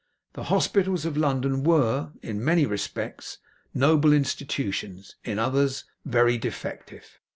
The hospitals of London were, in many respects, noble Institutions; in others, very defective.